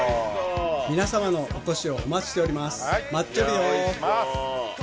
皆様のお越しをお待ちしております。